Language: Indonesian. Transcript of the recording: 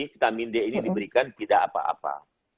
vitamin d ini diberikan tidak apa apa